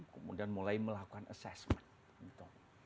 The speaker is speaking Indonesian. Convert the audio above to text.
kemudian mulai melakukan assessment